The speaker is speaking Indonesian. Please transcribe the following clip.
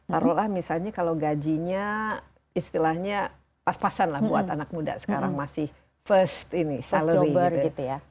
taruhlah misalnya kalau gajinya istilahnya pas pasan lah buat anak muda sekarang masih first ini salary gitu ya